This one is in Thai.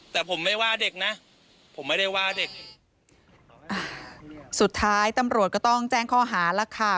แต่ผมไม่ว่าเด็กนะผมไม่ได้ว่าเด็กสุดท้ายตำรวจก็ต้องแจ้งข้อหาแล้วค่ะ